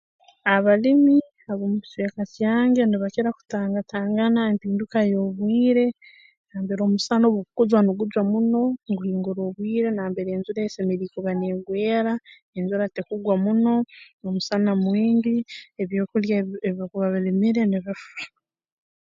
Abalimi ab'omu kicweka kyange nibakira kutangatangana empinduka y'obwire nambere omusana obu gukujwa nugujwa muno nguhingura obwire nambere enjura esemeriire kuba neegwera enjura tekugwa muno omusana mwingi ebyokulya ebi bakuba balimire nibifa